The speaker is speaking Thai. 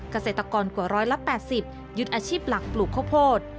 เกษตรกรกว่า๑๘๐ยึดอาชีพหลักปลูกข้าวโพด